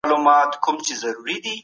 ښه ذهنیت انرژي نه دروي.